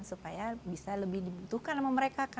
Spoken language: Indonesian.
supaya bisa lebih dibutuhkan sama mereka